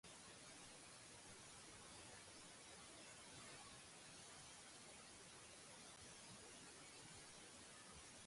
His wife often helped out and filled in for Sturges when he wasn’t around.